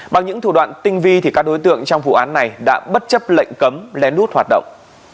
bằng những thủ đoạn tinh vi thì các đối tượng trong vụ án này đã bất chấp lệnh cấm lén lút hoạt động